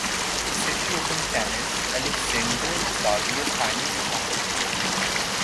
city open ٹینسالیگزنڈر زایور final میں پہنچ گئے